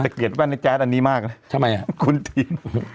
แต่เกลียดแว่นในแจ๊ตอันนี้มากเลยคุณทีน